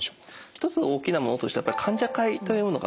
一つ大きなものとしてはやっぱり患者会というものがあります。